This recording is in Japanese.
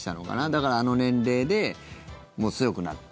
だから、あの年齢でもう強くなって。